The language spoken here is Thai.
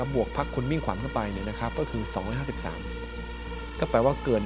บวกพักคนมิ่งความเข้าไป